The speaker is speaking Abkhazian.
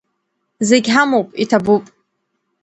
Зегь ҳамоуп, иҭабуп!